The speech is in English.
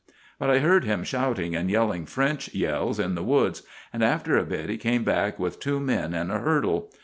But I heard him shouting and yelling French yells in the woods, and after a bit he came back with two men and a hurdle.